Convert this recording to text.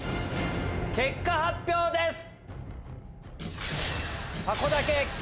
結果発表です！